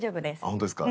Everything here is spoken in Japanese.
本当ですか？